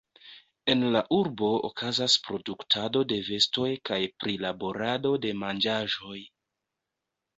En la urbo okazas produktado de vestoj kaj prilaborado de manĝaĵoj.